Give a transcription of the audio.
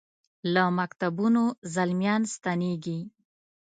له مکتبونو زلمیا ن ستنیږي